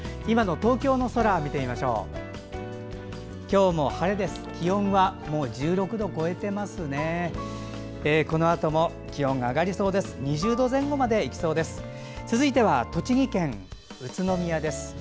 今日も晴れです。